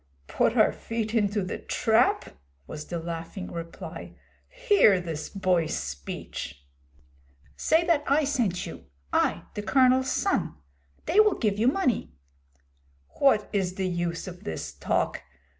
'Put our feet into the trap?' was the laughing reply. 'Hear this boy's speech!' 'Say that I sent you I, the Colonel's son. They will give you money.' 'What is the use of this talk?